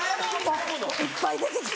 いっぱい出てきた。